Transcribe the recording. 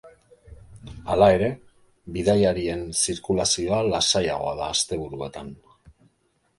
Hala ere, bidaiarien zirkulazioa lasaiagoa da asteburuetan.